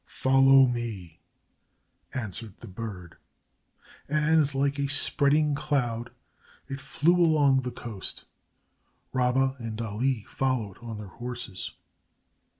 "Follow me," answered the bird, and like a spreading cloud it flew along the coast. Rabba and Ali followed on their horses.